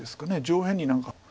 上辺に何か。